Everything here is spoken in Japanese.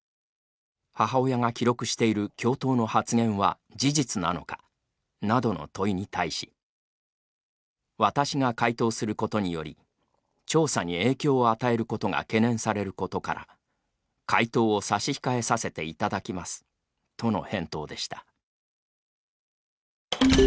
母親が記録している教頭の発言は事実なのか、などの問いに対し「私が回答することにより調査に影響を与えることが懸念されることから回答を差し控えさせていただきます」との返答でした。